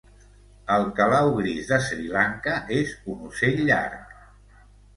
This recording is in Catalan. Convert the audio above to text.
El calau gris de Sri Lanka és un ocell llarg.